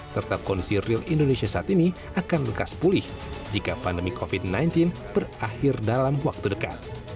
serta kondisi real indonesia saat ini akan bekas pulih jika pandemi covid sembilan belas berakhir dalam waktu dekat